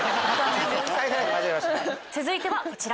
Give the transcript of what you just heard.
続いてはこちら。